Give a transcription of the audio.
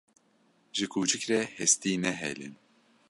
Ji kûçik re hestî nehêlin.